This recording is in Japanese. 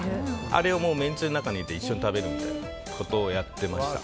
あれをめんつゆの中に入れて一緒に食べるということをやってました。